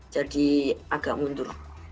jadi agak mundur